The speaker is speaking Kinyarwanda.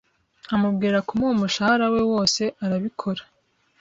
Amubwira kumuha umushahara we wose arabikora.